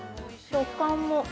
食感も◆